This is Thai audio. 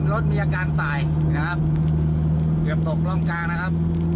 รถมีอาการสายนะครับเกือบตกร่องกลางนะครับ